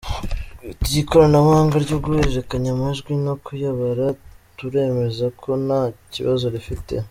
Ati “Ikoranabuhanga ryo guhererekanya amajwi no kuyabara turemeza ko nta kibazo rifite.